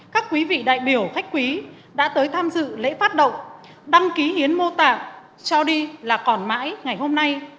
các quý vị đại biểu khách quý đã tới tham dự lễ phát động đăng ký hiến mô tạng cho đi là còn mãi ngày hôm nay